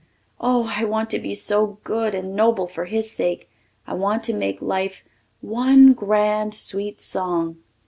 Oh, I want to be so good and noble for his sake. I want to make life "one grand sweet song."